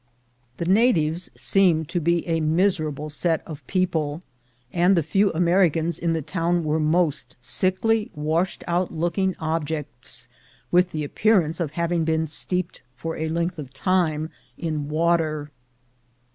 The natives seemed to be a miserable set of people, and the few Americans in the town were most sickly, washed out looking objects, with the appearance of having been steeped for a length of time in water.